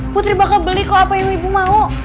putri bakal beli kok apa ibu ibu mau